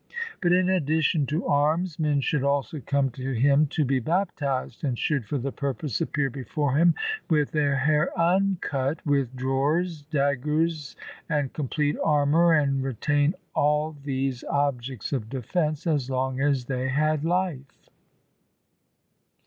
But in addition to arms men should also come to him to be baptized, and should for the purpose appear before him with their hair uncut, with drawers, daggers, and complete armour, and retain all these objects of defence as long as they had life.